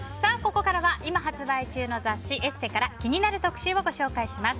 ここからは今発売中の雑誌「ＥＳＳＥ」から気になる特集をご紹介します。